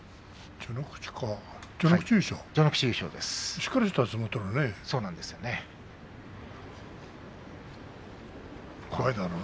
しっかりした相撲を取るね。